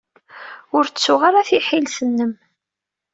Ur ttuɣ ara tiḥilet-nnem.